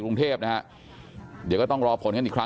อยู่ดีมาตายแบบเปลือยคาห้องน้ำได้ยังไง